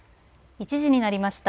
１時になりました。